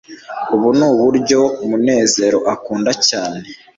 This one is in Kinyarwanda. ubu nuburyo munezero akunda cyane